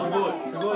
すごい！